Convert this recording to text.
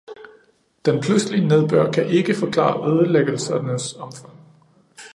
Den pludselige nedbør kan ikke forklare ødelæggelsernes omfang.